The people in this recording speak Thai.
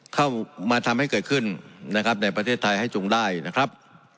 เข้ามาทำให้เกิดขึ้นนะครับในประเทศไทยให้จงได้นะครับ